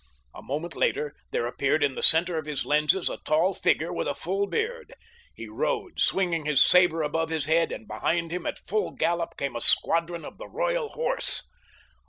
A moment later there appeared in the center of his lenses a tall figure with a full beard. He rode, swinging his saber above his head, and behind him at full gallop came a squadron of the Royal Horse.